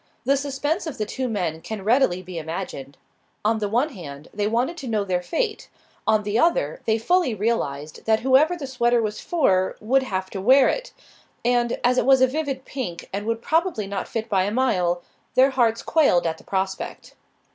The suspense of the two men can readily be imagined. On the one hand, they wanted to know their fate; on the other, they fully realized that whoever the sweater was for would have to wear it. And, as it was a vivid pink and would probably not fit by a mile, their hearts quailed at the prospect.